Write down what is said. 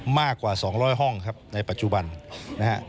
มากกว่า๒๐๐ห้องครับในปัจจุบันนะฮะ